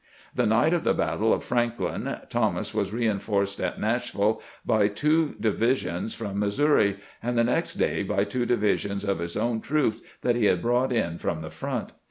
The night of the battle of Frank lin, Thomas was reinforced at Nashville by two divisions from Missouri, and the next day by two divisions of his own troops that he had brought in from the front.